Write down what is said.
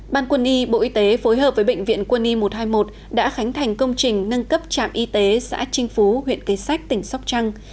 ban quân y bộ y tế phối hợp với bệnh viện quân y một trăm hai mươi một đã khánh thành công trình nâng cấp trạm y tế xã trinh phú huyện cây sách tỉnh sóc trăng